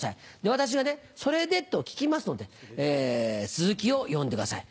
私が「それで？」と聞きますので続きを読んでください。